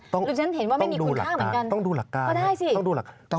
ดิฉันเห็นว่าไม่มีคุณค่าเหมือนกันก็ได้สิต้องดูหลักการต้องดูหลักการ